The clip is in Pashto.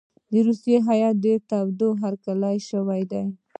د روسیې هیات ډېر تود هرکلی شوی دی.